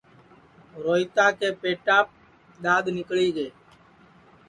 روہیتا کے پیٹاپ دؔاد نیکݪی گے